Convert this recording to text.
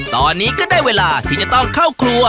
ตอนนี้ก็ได้เวลาที่จะต้องเข้าครัว